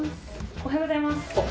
おはようございます